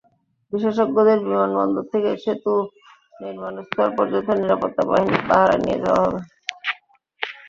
বিশেষজ্ঞদের বিমানবন্দর থেকে সেতু নির্মাণস্থল পর্যন্ত নিরাপত্তা বাহিনীর পাহারায় নিয়ে যাওয়া হবে।